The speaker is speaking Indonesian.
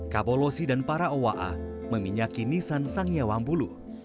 kabolosi dan para owa a meminyaki nisan sangya wambulu